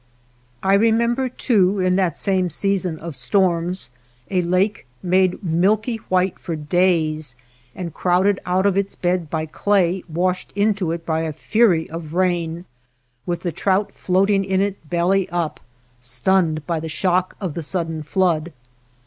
I re member, too, in that same season of storms, a lake made milky white for days, and crowded out of its bed by clay washed into it by a fury of rain, with the trout floating in it belly up, stunned by the shock of the sudden flood.